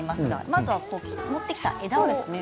まず持ってきた枝ですね。